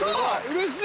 嬉しい！